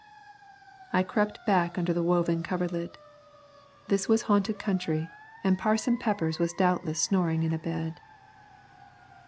I crept back under the woven coverlid. This was haunted country, and Parson Peppers was doubtless snoring in a bed.